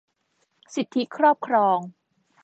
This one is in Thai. สิทธิครอบครอง